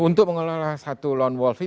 untuk mengelola satu lone wolf itu